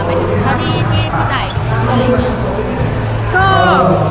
ในที่ปิจารณ์เองอะไรงั้น